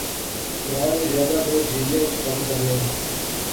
گراں نے زیادہ لوک زیویاں اچ کم کرنے